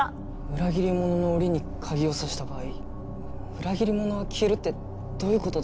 裏切り者の檻に鍵を挿した場合裏切り者は消えるってどういう事だ？